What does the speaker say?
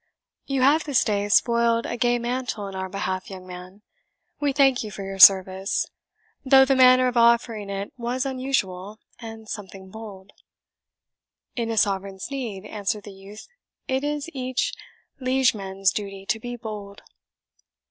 "You have this day spoiled a gay mantle in our behalf, young man. We thank you for your service, though the manner of offering it was unusual, and something bold." "In a sovereign's need," answered the youth, "it is each liegeman's duty to be bold."